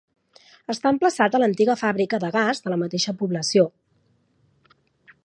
Està emplaçat a l'antiga Fàbrica de Gas de la mateixa població.